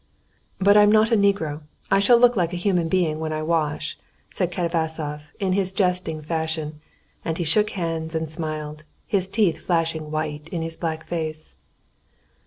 "But I'm not a negro, I shall look like a human being when I wash," said Katavasov in his jesting fashion, and he shook hands and smiled, his teeth flashing white in his black face.